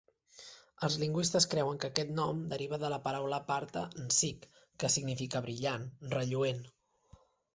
Els lingüistes creuen que aquest nom deriva de la paraula parta "Ns'yk", que significa "brillant", "relluent".